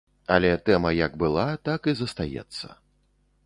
Але тэма як была, так і застаецца.